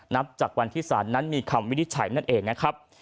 นับจากวันที่ศาลนั้นมีคำวินิจฉัยนั่นเองนะครับ